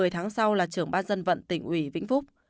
một mươi tháng sau là trưởng ban dân vận tỉnh ủy vĩnh phúc